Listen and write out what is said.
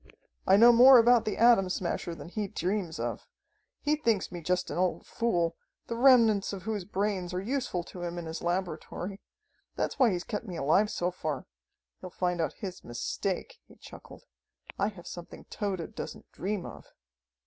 "I know more about the Atom Smasher than he dreams of. He thinks me just an old fool, the remnants of whose brains are useful to him in his laboratory. That's why he's kept me alive so far. He'll find out his mistake," he chuckled. "I have something Tode doesn't dream of."